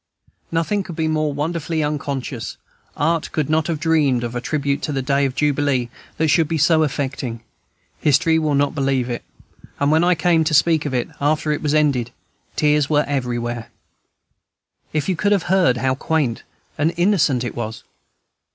Nothing could be more wonderfully unconscious; art could not have dreamed of a tribute to the day of jubilee that should be so affecting; history will not believe it; and when I came to speak of it, after it was ended, tears were everywhere. If you could have heard how quaint and innocent it was!